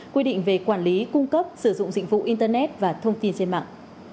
quy định về quản lý cung cấp sử dụng dịch vụ internet và thông tin trên mạng